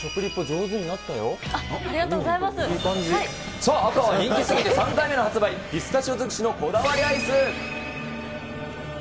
さあ赤は人気過ぎて３回目の発売、ピスタチオ尽くしのこだわりアイス。